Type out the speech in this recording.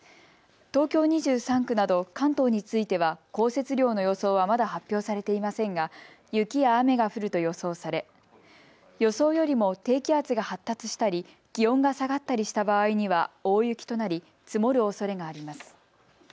東京２３区など関東については降雪量の予想はまだ発表されていませんが雪や雨が降ると予想され予想よりも低気圧が発達したり気温が下がったりした場合には大雪となり積もるおそれがあります。